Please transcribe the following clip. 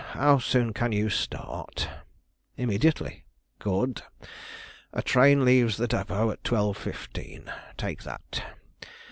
How soon can you start?" "Immediately." "Good! a train leaves the depot at 12.15. Take that.